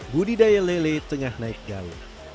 budi dayal lele tengah naik jalan